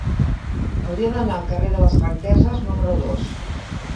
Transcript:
Hauria d'anar al carrer de les Franqueses número dos.